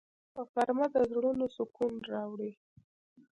غرمه د زړونو سکون راوړي